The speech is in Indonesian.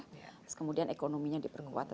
terus kemudian ekonominya diperkuat